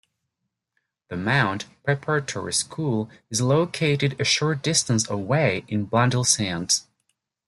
"The Mount" preparatory school is located a short distance away in Blundellsands.